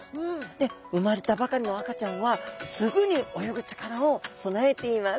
で産まれたばかりの赤ちゃんはすぐに泳ぐ力を備えています。